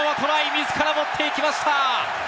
自ら持っていきました。